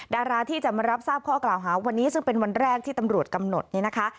ดาราที่จะมารับทราบข้อกล่าวหาวันนี้ซึ่งเป็นวันแรกที่ตำรวจกำหนดเนี่ยนะคะ